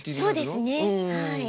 そうですねはい。